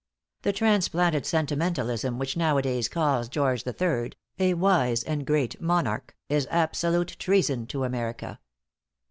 The transplanted sentimentalism which nowadays calls George III. a wise and great monarch, is absolute treason to America.